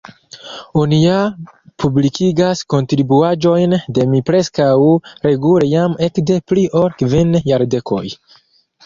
Oni ja publikigas kontribuaĵojn de mi preskaŭ regule jam ekde pli ol kvin jardekoj.